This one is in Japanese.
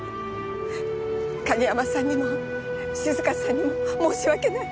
景山さんにも静香さんにも申し訳ない。